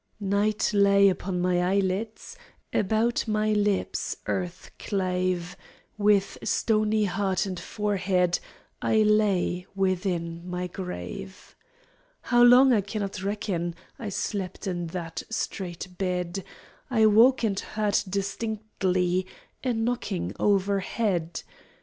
Night lay upon my eyelids, About my lips earth clave; With stony heart and forehead I lay within my grave. How long I cannot reckon, I slept in that strait bed; I woke and heard distinctly A knocking overhead.